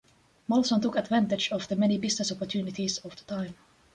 Molson took advantage of the many business opportunities of the time.